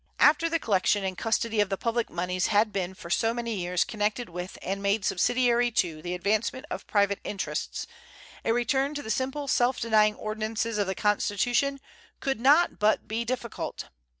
After the collection and custody of the public moneys had been for so many years connected with and made subsidiary to the advancement of private interests, a return to the simple self denying ordinances of the Constitution could not but be difficult.